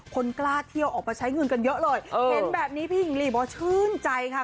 คนกล้าเที่ยวออกมาใช้เงินกันเยอะเลยเห็นแบบนี้พี่หญิงลีบอกว่าชื่นใจค่ะ